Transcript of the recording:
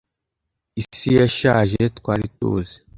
Isi yashaje twari tuzi.